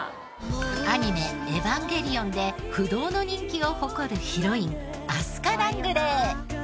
アニメ『エヴァンゲリオン』で不動の人気を誇るヒロインアスカ・ラングレー。